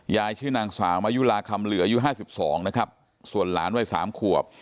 ยายชื่อนางสาวอายุลาคำเหลืออายุห้าสิบสองนะครับส่วนหลานไว้สามขวบ